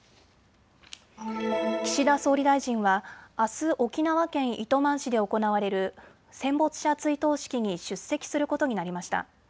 岸田総理大臣はあす沖縄県糸満市で行われる戦没者追悼式に出席することになりました。